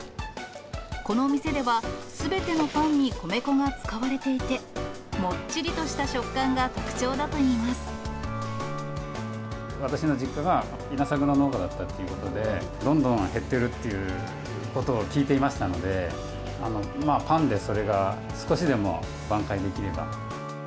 この店では、すべてのパンに米粉が使われていて、もっちりとした食感が特徴だ私の実家が稲作の農家だったということで、どんどん減ってるっていうことを聞いていましたので、パンでそれが少しでも挽回できれば。